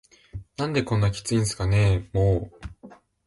「何でこんなキツいんすかねぇ～も～…」